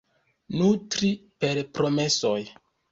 Nutri per promesoj.